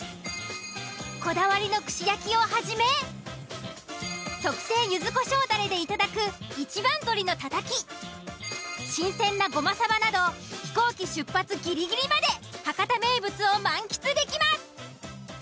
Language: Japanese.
こだわりの串焼きをはじめ特製ゆずこしょうだれでいただく新鮮なごまサバなど飛行機出発ギリギリまで博多名物を満喫できます。